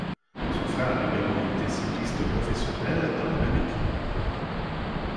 Son frère a également été cycliste professionnel dans la même équipe.